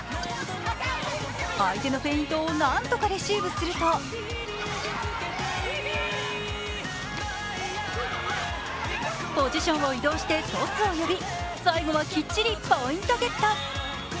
相手のフェイントをなんとかレシーブするとポジションを移動してトスを呼び、最後はきっちりポイントゲット。